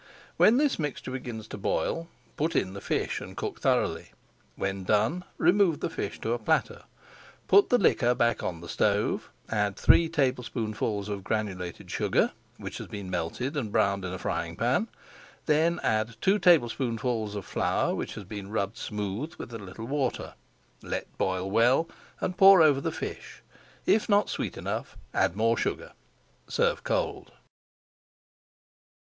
When this mixture begins to boil, put in the fish and cook thoroughly. When done, remove the fish to a platter. Put the liquor back on the stove, add three tablespoonfuls of granulated sugar (which has been melted and browned in a frying pan), then add two tablespoonfuls of flour which has been rubbed smooth with a little water. Let boil well and pour over the fish. If not sweet enough, add more sugar. Serve cold.